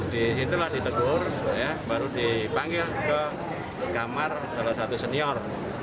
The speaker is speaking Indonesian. disitulah ditegur baru dipanggil ke kamar salah satu senior